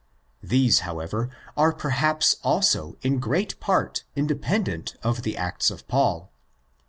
These, however, are perhaps also in great part independent of the Acts of Paul.